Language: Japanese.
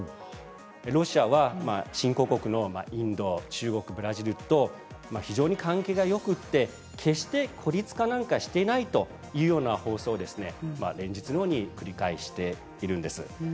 ロシアは新興国のインド、中国、ブラジルと非常に関係がよくて決して孤立化なんかしていないというような放送を連日のように繰り返しているんです。